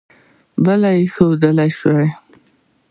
بل ښودلئ شی